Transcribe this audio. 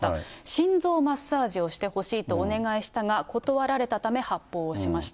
心臓マッサージをしてほしいとお願いしたが断られたため、発砲しました。